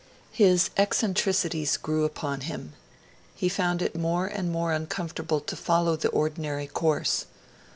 His eccentricities grew upon him. He found it more and more uncomfortable to follow the ordinary course.